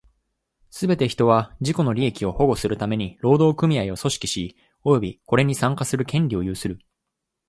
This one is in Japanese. すべて人は、自己の利益を保護するために労働組合を組織し、及びこれに参加する権利を有する。